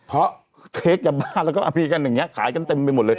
เพราะเค้กยาบ้าแล้วก็อภิกันอย่างนี้ขายกันเต็มไปหมดเลย